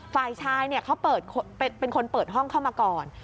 ฝ่ายชายเขาเป็นคนเปิดห้องเข้ามาก่อน